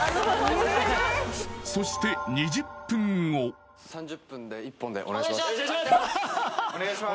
そして３０分で１本でお願いします